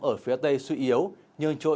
ở phía tây suy yếu nhưng trội